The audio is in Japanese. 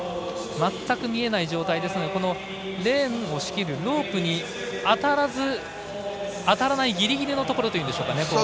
全く見えない状態ですがレーンを仕切るロープに当たらないギリギリのところというんでしょうか。